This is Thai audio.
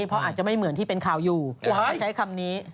เพราะอาจจะไม่เหมือนที่เป็นข่าวอยู่เขาใช้คำนี้